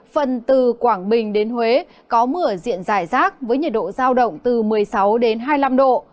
phần từ quảng bình đến huế có mưa diện dài rác với nhiệt độ giao động từ một mươi sáu đến hai mươi năm độ